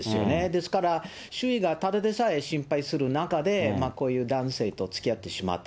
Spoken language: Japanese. ですから周囲がただでさえ心配する中で、こういう男性と付き合ってしまった。